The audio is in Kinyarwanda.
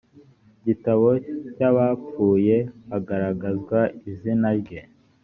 gitabo cy abapfuye hagaragazwa izina rye